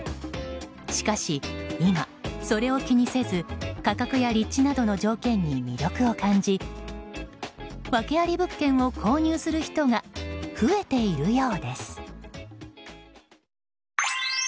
しかし今、それを気にせず価格や立地などの条件に魅力を感じワケあり物件を購入する人が増えているようです。